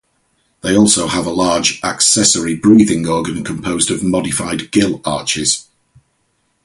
They also have a large, accessory breathing organ composed of modified gill arches.